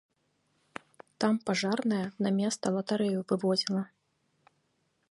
Там пажарная на места латарэю вывозіла.